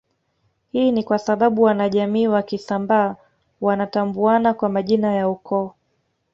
Hii ni kwasababu wanajamii wa Kisambaa wanatambuana kwa majina ya ukoo